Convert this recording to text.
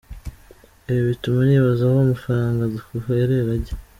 Ibi bituma nibaza aho amafaranga dutwerera ajya.